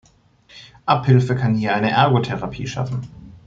Abhilfe kann hier eine Ergotherapie schaffen.